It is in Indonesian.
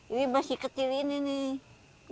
ini masih kecil ini nih